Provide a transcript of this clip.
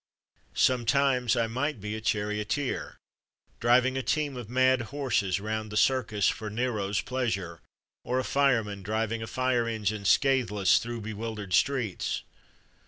Sometimes I might be a charioteer driving a team of mad horses round the circus for Nero's pleasure, or a fireman driving a fire engine scatheless through bewildered streets.